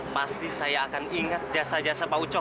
pasti saya akan ingat jasa jasa pak ucok